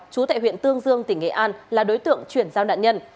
chú tại huyện tương dương tỉnh nghệ an là đối tượng chuyển giao nạn nhân